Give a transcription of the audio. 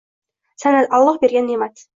San’at — Alloh bergan ne’mat.